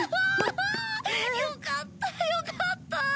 よかったよかった！